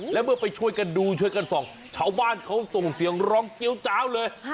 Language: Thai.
แล้วเมื่อไปช่วยกันดูช่วยกันส่องชาวบ้านเขาส่งเสียงร้องเกี้ยวจ้าวเลย